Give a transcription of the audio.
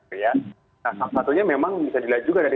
nah salah satunya memang bisa dilihat juga dari